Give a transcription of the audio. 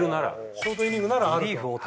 ショートイニングならあると。